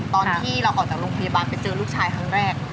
ตอนที่เราออกจากโรงพยาบาลไปเจอลูกชายครั้งแรก